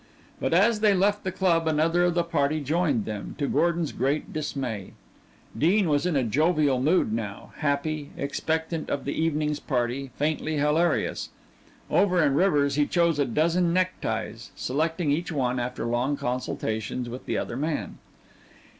But as they left the Club another of the party joined them, to Gordon's great dismay. Dean was in a jovial mood now, happy, expectant of the evening's party, faintly hilarious. Over in Rivers' he chose a dozen neckties, selecting each one after long consultations with the other man.